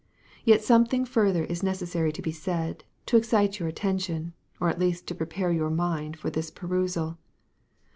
Yet something further is necessary to be said, to excite your attention, or at least to prepare your mind for this perusal.